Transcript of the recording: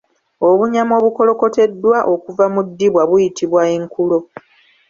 Obunyama obukolokotebwa okuva mu ddiba buyitibwa enkulo